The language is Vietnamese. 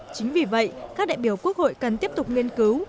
chính vì vậy các đại biểu quốc hội cần tiếp tục nghiên cứu